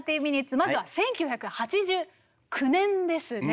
まずは１９８９年ですね